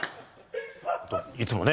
いつもね